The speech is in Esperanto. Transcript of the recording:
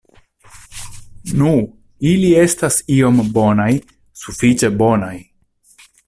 Nu, ili estas iom bonaj, sufiĉe bonaj.